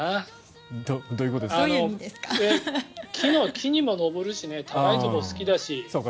木にも登るし高いところ好きだし。